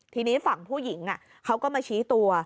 ทีนี้ฝั่งผู้หญิงเขาก็มาชี้ตัว